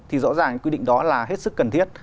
thì rõ ràng quy định đó là hết sức cần thiết